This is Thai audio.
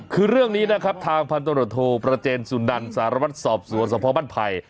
คือเรื่องนี้นะครับทางพันธนโฑโทประเจนสุดันสหรับสอบสวนสภพบรรพันธ์ภัย